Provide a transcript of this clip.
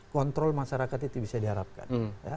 kontrol masyarakat itu bisa diharapkan